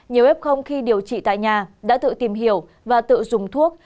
nhiều f khi điều trị tại nhà đã tự tìm hiểu và tự dùng thuốc